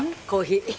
コーヒー。